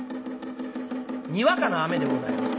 にわかな雨でございます。